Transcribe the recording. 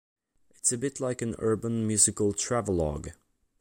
It's a bit like an urban musical travelogue.